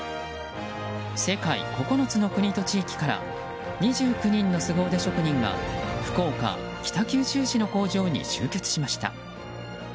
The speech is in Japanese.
世界９つの国と地域から２９人のすご腕職人が福岡・北九州市の工場に集結しました。